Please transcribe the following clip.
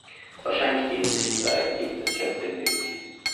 Wahrscheinlich gehen sich die beiden gegenseitig aus dem Weg.